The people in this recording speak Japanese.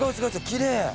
きれい！